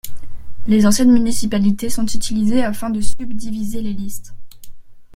Les anciennes municipalités sont utilisées afin de subdivisées les listes.